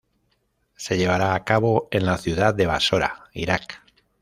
Se llevará a cabo en la ciudad de Basora, Irak.